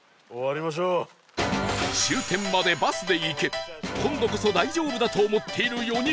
終点までバスで行け今度こそ大丈夫だと思っている４人